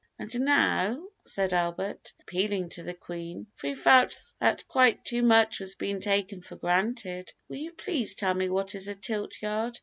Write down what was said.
"And now," said Albert, appealing to the Queen, for he felt that quite too much was being taken for granted, "will you please tell me what is a tilt yard?